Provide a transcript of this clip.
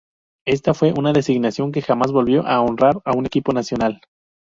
Ésta fue una designación que jamás volvió a honrar a un equipo nacional.